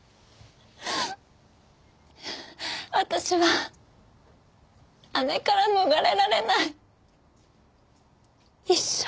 私は姉から逃れられない。